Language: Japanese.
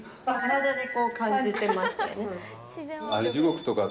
体でこう感じてましたよね。